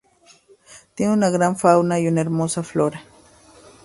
Tiene una gran fauna y una hermosa flora.